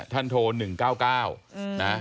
ท่านโทร๑๙๙นะ